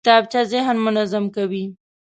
کتابچه ذهن منظم کوي